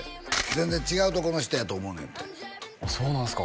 全然違うとこの人やと思うねんてそうなんすか？